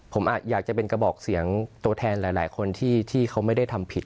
ผมอยากจะเป็นกระบอกเสียงตัวแทนหลายคนที่เขาไม่ได้ทำผิด